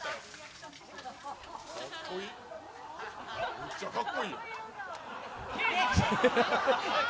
めっちゃかっこいい！